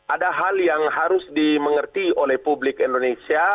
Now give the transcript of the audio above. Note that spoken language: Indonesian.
ada hal yang harus dimengerti oleh publik indonesia